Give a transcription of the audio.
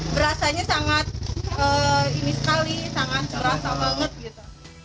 berasanya sangat ini sekali sangat berasa banget gitu